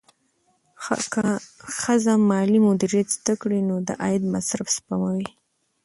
که ښځه مالي مدیریت زده کړي، نو د عاید مصرف سموي.